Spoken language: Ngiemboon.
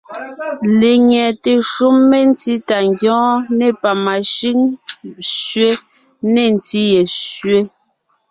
Lenyɛte shúm mentí tà ngyɔ́ɔn, nê pamashʉ́ŋ sẅé, nê ntí ye sẅé,